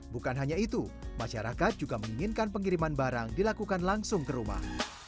bukan hanya itu masyarakat juga menginginkan pengiriman barang dilakukan langsung ke rumah